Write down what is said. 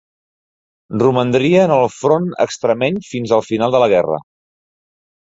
Romandria en el front extremeny fins al final de la guerra.